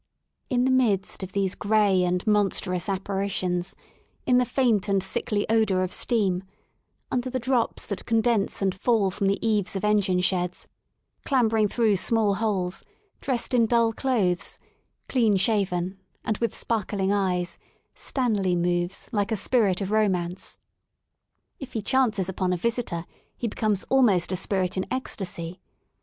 In the midst of these gray and monstrous apparitions, in the faint and sickly odour of steam, under the drops that condense and fall from the eaves of engine sheds, clambering through small holes, dressed in dull clothes, clean shaven and with sparkling eyes, Stanley moves like a spirit of romance. If he chances upon a visitor he becomes almost a spirit in ecstasy.